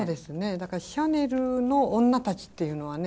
だからシャネルの女たちっていうのはね